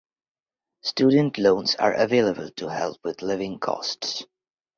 Student loans are available to help with living costs.